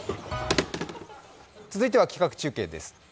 続いては企画中継です。